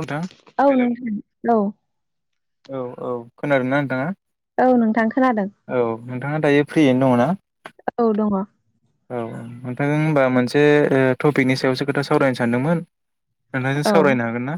नोंथां औ नं औ औ औ खोनादोंना नोंथाङा औ नोंथां खोनादों औ नोंथाङा दायो फ्रियैनो दङ ना औ दङ औ नोंथांदों ओमबा मोनसे ओ टपिकनि सायावसो खोथा सावरायनो सानदोंमोन नोंथांजों सावरायनो हागोन ना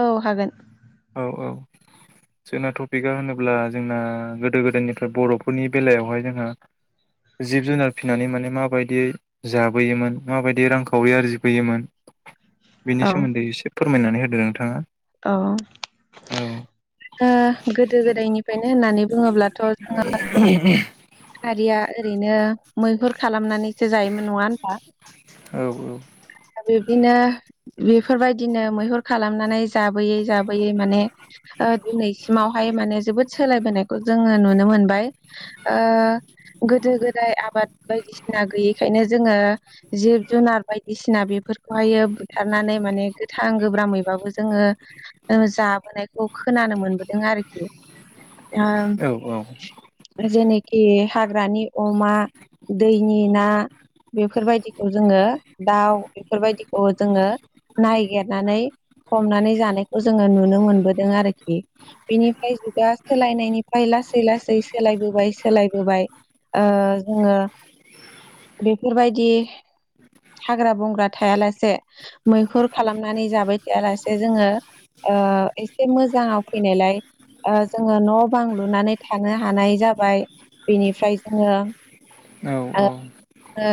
औ हागोन औ औ जोंना टपिकआ होनोब्ला जोंना गोदो गोदायनिफ्राय बर'फोरनि बेलायावहाय जोंहा जिब जुनार फिसिनानै माने माबायदियै जाबोयोमोन माबायदि रां खावरि आरजिबोयोमोन बिनि औ सोमोन्दै एसे फोरमायनानै होदो नोंथाङा औ औ ओ गोदो गोदायनिफ्रायनो होननानै बुङोब्लाथ' जोङो हारिया ओरैनो मैहुर खालामनानैसो जायोमोन नङा होनबा औ बिब्दिनो बेफोरबायदिनो मैहुर खालामनानै जाबोयै जाबोयै माने दिनैसिमावहाय माने जोबोद सोलायबोनायखौ जोङो नुनो मोन मोनबाय ओ गोदो गोदाय आबाद बायदिसिना गैयैखायनो जोङो जिब जुनार बायदिसिना बे फोरफोरखौहायो बुथारनानै माने गोथां गोब्रामैबाबो जा जोङो जाबोनायखौ खोनानो मोनबोदों आरोखि आं औ जोनि ए हाग्रानि अमा दैनि ना बेफोरबायदिखौ जोङो दाउ बेफोरबायदिखौ जोङो नायगेरनानै हमनानै जानायखौ जोङो नुनो मोनबोदों आरोखि बेनिफ्राय जुगा सोलायनायनिफ्राय लासै-लासै सोलायबोबाय-सोलायबोबाय जोङो। बेफोरबायदि हाग्रा बंग्रा थायालासे मैहुर खालामनानै जाबाय थायालासे जोङो ओ एसे मोजाङाव फैनायलाय जोङो न' बां लुनानै थानो हानाय जा जाबाय बेनिफ्राय जोंङो औ ओ औ ओ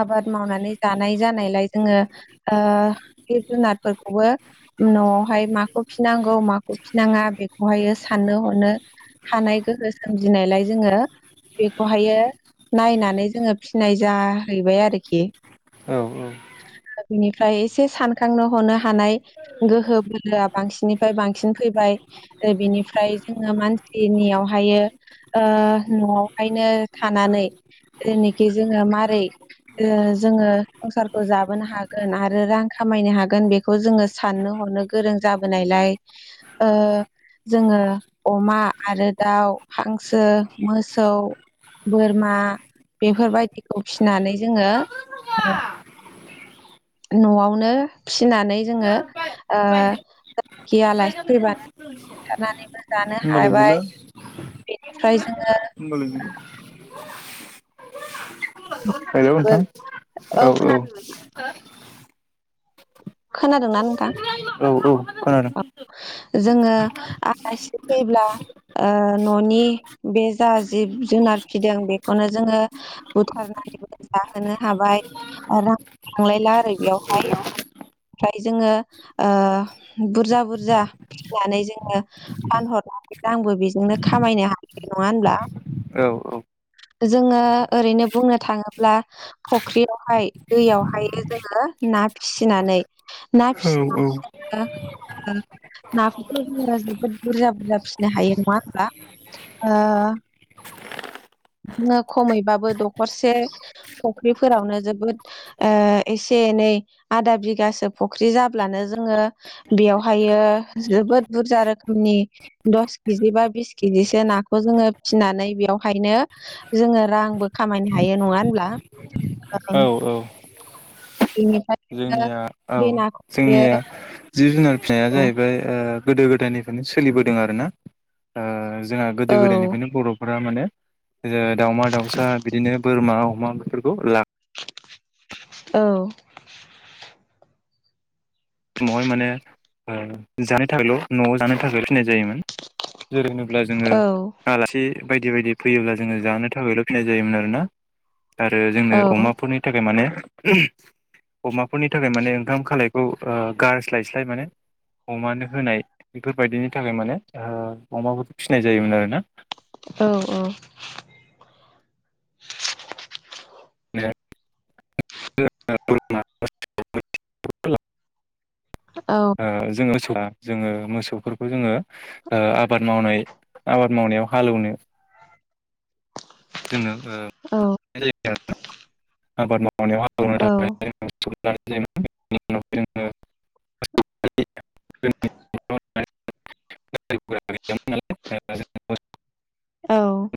आबाद मावनानै जानाय जानायलाय जोंङो ओ जिब जुनारफोर खोबो न'आवहाय माखौ फिनांगौ माखौ फिनाङा बेखौहायो साननो हनो हानाय गोहो सोमजिनायलाय जोंङो बेखौहायो नायनानै जोऔङो फिनाय जाहैबाय आरोखि औ-औ बिनिफ्राय एसे सानखांनो हनो थानाय गोहो बोलोआ बांसिननिफ्राय बांसिन फैबाय बिनिफ्राय जोंङो मानसि बेनियावहाय ओ न'आवहायनो थानानै जेनोखि जोंङो मारै ओ जोङो संसारखौ जाबोनो हागोन आरो रां खामायनो हागोन बेखौ बेखौ जोंङो साननो हरनो गोरों जाबोनायलाय ओ जोंङो अमा आरो दाउ हांसो मोसौ बोरमा बेफोरबायदिखौ फिनानै जोंङो न'आवनो फिनानै जोंङो ओ गिया आलासि फैबानोरनानैबो बुथारनानैबो जानो होमबालाय हाबाय गैला बेनिफ्राय जोंङो [inaudible] हेलौ नोंथां औ औ-औ खोनादों खोनादोंना नोंथां औ-औ खोनादों। जोंङो आलासि फैब्ला ओ न'नि बे जा जिब जुनार फिदों बेनो जोंङो बुथारनानै जाहोनो हाबाय [unintelligible] [unintelligible] ला आरो बेयावहाय [inaudible] ओमफ्राय जोंङो ओ बुरजा-बुरजा फिनानै जोंङो फानहर आंबो बेजोंनो खामायनो हाय नङा होनब्ला औ-औ जोंङो ओरैनो बुंनो थाङोब्ला फुख्रियावहाय दैयावहाय जोंङो ना फिसिनानै ना औ फिनानै नाफोरखौ' जोंङो जोबोद बुरजा-बुरजा फिसिनो हायो नङा होनबा ओ [inaudible] नो खमैबाबो दखरसे फुख्रिफोरावनो जोबोद ओ एसे नै आदा बिघा फख्रि जाब्लानो जोंङो बेयावहायो जोबोद बुरजा रोखोनि फास केजि बा बिस केजिसो नाखौ जोङो फिनानै बेयावहायनो जोङो रांबो खामाय हायो नङा होनब्ला औ औ बिनिफायनो जोंनिया औ जोंनिया जिब जुनार फिसिनाया औ जाहैबाय ओ गोदो गोदायनिफ्रायनो सोलिबोदों आरो ना ओ जोंहा गोदो औ गोदायनिफ्रायनो बर'फोरा माने ओ दाउमा दाउसा बिदिनो बोरमा अमा बेफोरखौ ला औ समावहाय माने ओ जानाय थाखायल' न'आव जानो थाखायल' फिनाय जायोमोन जेरैनो अब्ला जोंङो औ आलासि बायदि बायदि फैयोब्ला जोंङो जानो थाखायल' फिनाय जायोमोन आरोना आरो जोंनो औ अमाफोरनि थाखाय माने अमाफोरनि थाखाय माने ओंखाम खालायखौ ओ गारस्लायस्लाय माने अमानो होनाय बेफोरबायदिनि थाखाय माने ओ अमाफोरखौ फिसिनाय जायोमोन आरोना औ औ [unintelligible] ओ जोङो [unintelligible] जोङो मोसौफोरखौ जोङो ओ आबाद मावनाय आबाद मावनायाव हालौवनो जोंनो ओ [unintelligible] आबाद माव मावनायाव हालौनो औ थाखाय [unintelligible] [unintelligible] औ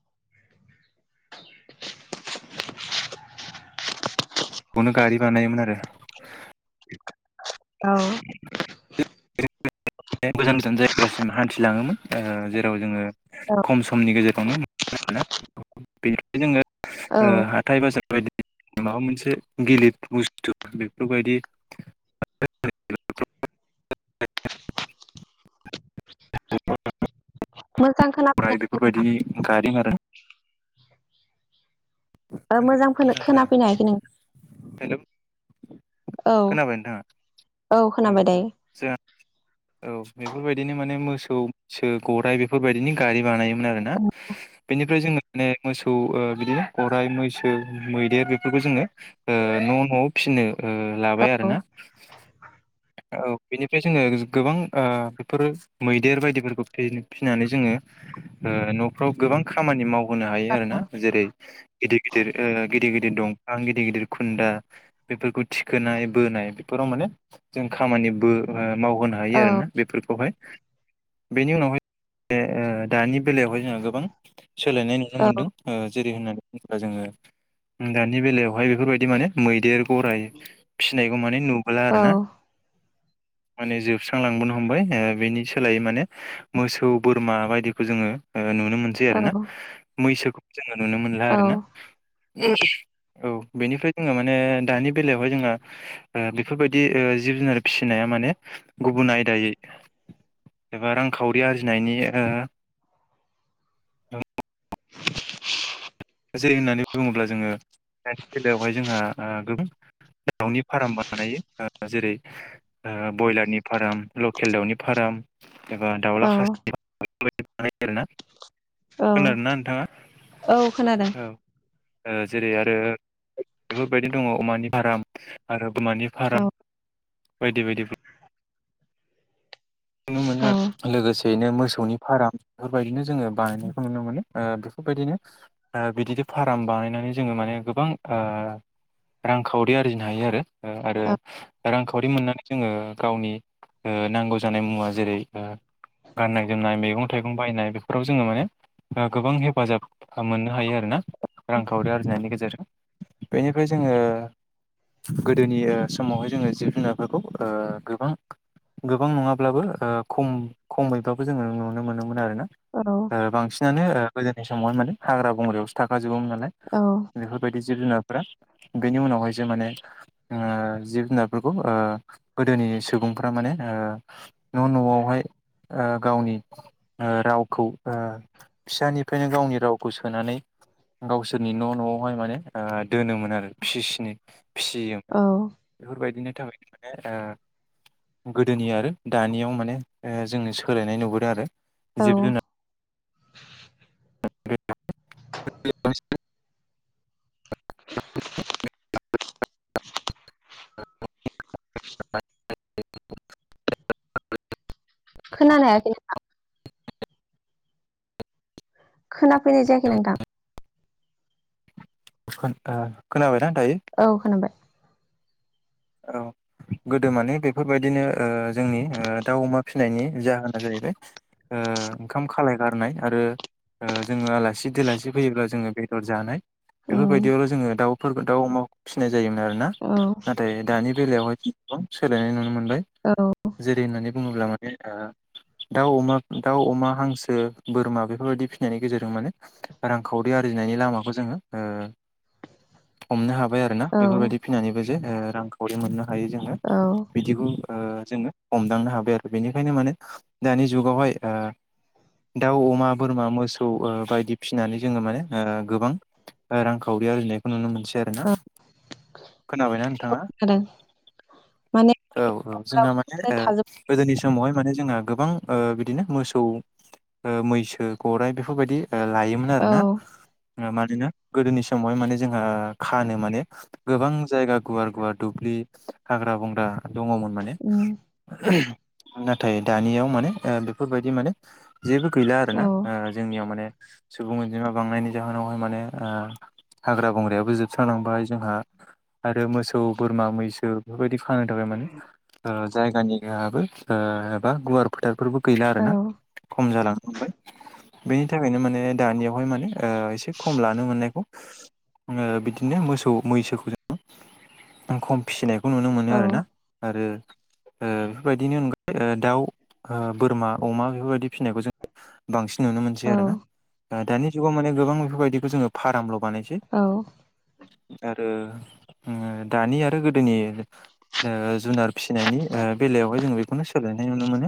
गनो गारि बानायोमोन आरो औ [unintelligible] गोजान गोजान जायगासिम हान्थिलाङोमोन ओ जेराव जोङो खम समनि गेजेरावनो मोना बेनिफ्राय जोङो औ ओ हाथाय बाजार [unintelligible] माबा मोनसे गिलिर बुस्थु बेफोरबायदि [unintelligible] [unintelligible] [unintelligible] [unintelligible] मोजां खोनाफैनो हायाखै नोंथां बेफोरबायदिनि [unintelligible] खोनादों मोजांखोनो मोजां खोनादों खोनाफैनो हायाखै नों हेलौ औ खोनाबाय नोंथाङा औ खोनाबाय औ दायो जों औ बे बेफोरबायदिनो माने मोसौसो गराइ बेफोरबायदिनि गारि बानायोमोन आरोना बेनिफ्राय जोङो माने मोसौ ओ बिदिनो गराइ मैसो मैदेर बेफोरखौ जोङो ओ न' न'आव फिनो ओ औ लाबाय आरोना औ बेनिफ्राय जोङो गोबां ओ बेफोर मैदेर बायदिफोरखौ फिन- फिनानै जोङो ओ न'फ्राव गोबां खामानि मावहोनो हायो आरो ना जेरै गिदिर गिदिर ओ गिदिर गिदिर दंफां गिदिर गिदिर खुन्दा बेफोरखौ थिखोनाय बोनाय बेफोराव मा ने जों खामानिबो मावहोनो हायो आरोना बेफोरखौहाय बेनि उनावहाय [unintelligible] ओ दानि बेलायावहाय जोङो गोबां सोलायनाय नुनो औ मोनदों ओ जेरै होनना जोङो दानि बेलायावहाय बेफोरबायदि माने मैदेर गराय फिनायखौ माने नुबोला आरो औ ना माने जोबस्रांलांबोनो हमबाय ओ बेनि सोलायै माने मोसौ बोरमा बायदिखौ जोङो नुनो मोनसै औ आरोना मैसोखौबो जोङो नुनो मोनला औ आरोना [unintelligible] औ बेनिफ्राय जोङो माने दानि बेलायावहाय जोंहा ओ बेफोरबायदि ओ जिब जुनार फिसिनाया माने गुबुन आयदायै एबा रांखावरि आरजिनायनि ओ [unintelligible] जै होननानै बुङोब्ला जोङो दानि बेलायावहाय जोंहा ओ गोबां दाउनि फाराम बानायो ओ जेरै ओ बयलारनि फाराम लकेल दाउनि फाराम एबा दाउला औ खासि बेफोरदि बानायो आरोना औ खोनादोंना नोंथाङा औ खोनादों औ ओ जेरै आरो बेफोरबायदि दङ' अमानि फाराम आरो बोरमानि औ फाराम बायदि बायदि नुनो मोनो औ लोगोसे बेनो मोसौनि फाराम बेफोरबायदिनो जोङो बानायनायखौ नुनो मोनो ओ बेफोरबायदिनो ओ बिदिनो फाराम बानायनानै जोङो माने गोबां ओ रांखावरि आरजिनो हायो आरो ओ आरो औ रांखावरि मोननानै जोङो गावनि ओ नांगौ जानाय मुवा जेरै ओ गाननाय जोमनाय मैगं थाइगं बायनाय बेफोराव जोङो माने ओ गोबां हेफाजाब ओ मोननो हायो आरोना रांखावरि आरजिनायनि गेजेरजों। बेनिफ्राय जों जोङो गोदोनि ओ समावहाय जोङो जिब-जुनारफोरखौ ओ गोबां गोबां नङा ब्लाबो ओ खम खमैबाबो जोङो नुनो मोनोमोन आरोना औ ओ बांसिनानो ओ गोदोनि समावहाय माने हाग्रा बंगायावसो थाखा ज जोबोमोन नालाय औ बेफोरबायदि जिब-जुनारफ्रा, बेनि उनावहायसो माने ओ जिब-जुनारफोरखौ ओ गोदोनि सुबुंफ्रा माने ओ न' न'आवहाय ओ गावनि ओ रावखौ ओ फिसानिफ्रायनो गावनि रावखौ सोनानै गावसोरनि न' न'आवहाय माने ओ दोनोमोन आरो फिसिस्नि फिसियोमोन औ बेफोरबायदिनो थाखायनो माने ओ गोदोनि आरो दानियाव माने ओ जोंनि सोलायनाय नुबोदों आरो औ जिब-जुनार [inaudible] [inaudible] [inaudible] खोनानो हायाखै नोंथां खोनाफैनाय जायाखै नोंथां खोन ओ खोनाबाय ना औ खोनाबाय औ गोदो माने बेफोरबायदिनो ओ जोंनि ओ दाउ, अमा फिनायनि जाहोना जाहैबाय ओ ओंखाम खालाय गारनाय आरो ओ जोङो आलासि-दोलासि फैयोब्ला जोङो बेदर जानाय उम बेफोरबायदियावल' जोङो दाउफोरबो दाउ अमाख फिसिनाय जायोमोन आरो औ दानि बेलायावहाय गोबां सोलायनाय नुनो मोन औ दे होननानै बुङोब्ला माने ओ दाउ अमा [unintelligible] दाउ अमा हांसो बोरमा बेफोरबायदि फिसिनायनि गेजेरजों माने रांखावरि आर जिनायनि लामाखौ जोङो ओ हमनो हाब बाय आरो ना औ बेफोरबायदि फिनानैबो जे ओ रांखावरि मोननो हायो जोङो औ बिदिखौ ओ जोङो हमदांनो हाबाय आरो बेनिखायनो माने खो दानि जुगावहाय ओ दाउ, अमा, बोरमा मोसौ ओ बायदि फिसिनानै जोङो माने ओ गोबां ओ रांखावरि आरजिनायखौ नुनो मोनसै आरो ना औ खोनाबायना नोंथाङा औ खोनादों माने औ जोंहा माने गाव ओ थाजोब गोदोनि समावहाय माने जोंहा गोबां ओ बिदिनो मोसौ ओ मैसो गराइ बेफोरबायदि ओ लायोमोन औ आरोना। ङा मानोना गोदोनि समावहाय माने जोंहा खानो माने गोबां जायगा गुवार गुवार दुब्लि हाग्रा-बंग्रा दङ'मोन माने उम नाथाय दानियाव माने ओ बेफोरबायदि माने जेबो गैला औ आरोना ओ जोंनियाव माने सुबुं अनजिमा बांनायनि जाहोनावहाय माने‌ ओ हाग्रा बंग्रायाबो जोबस्रांलांबाय जोंहा आरो मोसौ बोरमा मैसो बेफोरबायदि फानो थाखाय माने ओ जायगानियाबो ओ बा गुवार फोथारफोरबो गैला औ आरोना खम जालांनो हमबाय बेनि थाखायनो माने दानियावहाय माने ओ एसे खम लानो मोननायखौ आङो बिदिनो मोसौ मैसोखौ जों [unintelligible] खम फिसिनायखौ नुनो मोनो औ आरोना आरो ओ बेफोरबायदिनो अनगायै ओ दाउ ओ बोरमा अमा बेफोरबायदि फिसिनायखौ जों बांसिन नुनो मोनसै औ आरो ना ओ दानि जुगाव माने गोबां बेफोरबायदिखौ जोङो फारामल' बानायसै औ आरो उम ओ दानि आरो गोदोनि ओ जुनार फिसिनायनि ओ बेलायावहाय जोङो बेखौनो सोलायनाय नुनो मोनो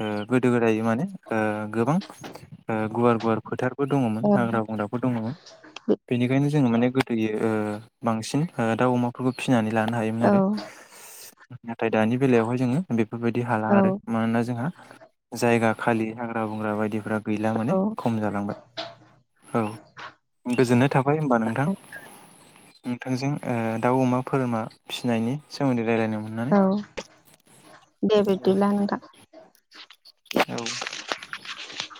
ओ गोदो गोदाय इया [unintelligible] माने ओ गोबां ओ गुवार गुवार फोथार बो दङमोन हाग्रा बंग्राफोर दङ बेनिखायनो जोङो माने गोदोयो ओ बांसिन दाउ अमाफोरखौ फिसिनानै लानो हायोमोन आरो औ नाथाय दानि बेलायावहाय जोङो बेफोरबायदि हाला आरो मानोना जोंहा जायगा खालि हाग्रा बंग्रा बायदिफ्रा गैला माने औ खम जालांबाय औ गोजोननाय थाबाय होमबा नोंथां नोंथांजों ओ दाउ अमा बोरमा फिसिनायनि सोमोन्दै रायलायनो मोननानै औ दे बेेद्बिलानो नोंथां औ